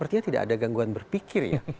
artinya tidak ada gangguan berpikir ya